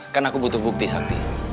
kan aku butuh bukti sakti